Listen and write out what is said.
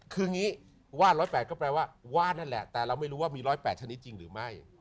คืออย่างนี้วาด๑๐๘ก็แปลว่าวาดนั่นแหละแต่เราไม่รู้ว่ามี๑๐๘ชนิดจริงหรือไม่